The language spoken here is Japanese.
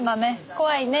怖いね。